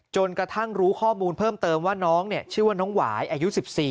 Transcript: กระทั่งรู้ข้อมูลเพิ่มเติมว่าน้องชื่อว่าน้องหวายอายุ๑๔